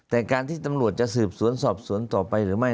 แต่การที่ตำรวจจะสืบสวนสอบสวนต่อไปหรือไม่